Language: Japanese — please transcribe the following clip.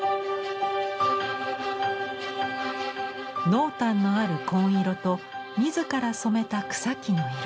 濃淡のある紺色と自ら染めた草木の色。